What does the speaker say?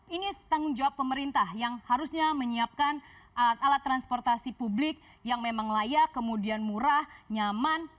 ini tanggung jawab pemerintah yang harusnya menyiapkan alat transportasi publik yang memang layak kemudian murah nyaman